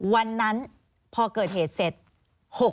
วันนั้นพอเกิดเหตุเสร็จ